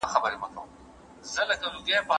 څارګر لګښتونه پوښتنې زېږوي.